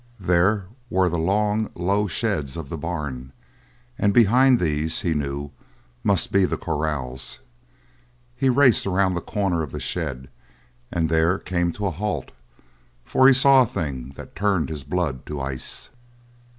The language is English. There were the long, low sheds of the barn, and behind these, he knew, must be the corrals. He raced around the corner of the shed and there came to a halt, for he saw a thing that turned his blood to ice.